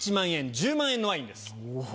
１０万円のワインです。